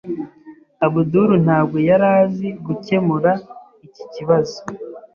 Abdul ntabwo yari azi gukemura iki kibazo.